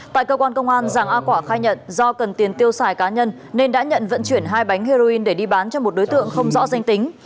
tại cơ quan công an giàng a quả khai nhận do cần tiền tiêu xài cá nhân nên đã nhận vận chuyển hai bánh heroin để đi bán cho một đối tượng không rõ danh tính